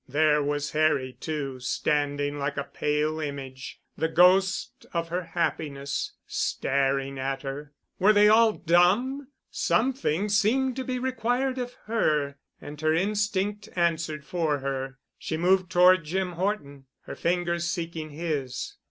There was Harry too, standing like a pale image, the ghost of her happiness—staring at her. Were they all dumb? Something seemed to be required of her and her instinct answered for her. She moved toward Jim Horton, her fingers seeking his.